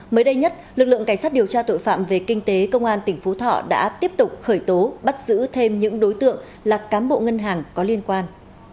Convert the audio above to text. mới đây nhất lực lượng cảnh sát điều tra tội phạm về kinh tế công an tỉnh phú thọ đã tiếp tục khởi tố bắt giữ thêm những đối tượng là cám bộ ngân hàng có liên quan